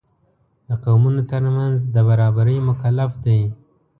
د قومونو تر منځ د برابرۍ مکلف دی.